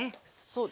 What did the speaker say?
そう。